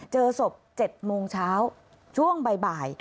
เจอศพ๗โมงเช้าช่วงบ่าย